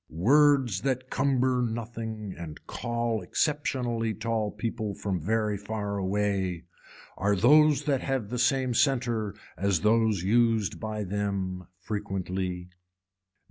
Words that cumber nothing and call exceptionally tall people from very far away are those that have the same center as those used by them frequently.